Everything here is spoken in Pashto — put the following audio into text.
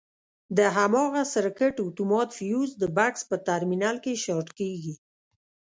د هماغه سرکټ اتومات فیوز د بکس په ترمینل کې شارټ کېږي.